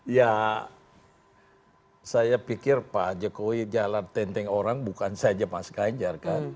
ya saya pikir pak jokowi jalan tenteng orang bukan saja mas ganjar kan